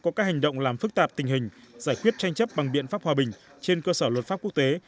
có các hành động làm phức tạp tình hình giải quyết tranh chấp bằng biện pháp hòa bình trên cơ sở luật pháp quốc tế